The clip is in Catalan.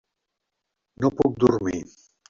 No puc dormir.